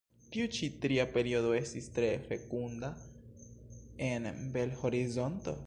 Tiu ĉi tria periodo estis tre fekunda en Bel-Horizonto.